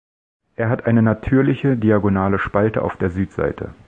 Er hat eine natürliche diagonale Spalte auf der Südseite.